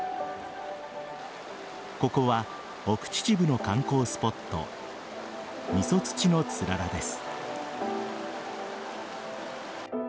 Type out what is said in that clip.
ここは奥秩父の観光スポット三十槌の氷柱です。